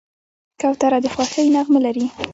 کوتره د خوښۍ نغمه لري.